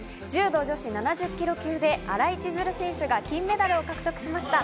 女子７０ｋｇ級で新井千鶴選手が金メダルを獲得しました。